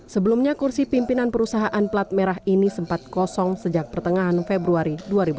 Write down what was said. sebelumnya kursi pimpinan perusahaan plat merah ini sempat kosong sejak pertengahan februari dua ribu tujuh belas